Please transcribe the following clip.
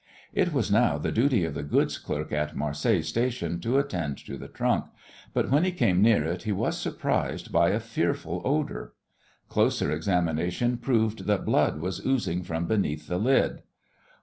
It was now the duty of the goods clerk at Marseilles Station to attend to the trunk, but when he came near it he was surprised by a fearful odour. Closer examination proved that blood was oozing from beneath the lid.